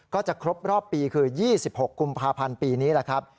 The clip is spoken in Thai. ก็จะครบรอบปีคือ๒๖กุมภาพันธ์ปีนี้แหละครับ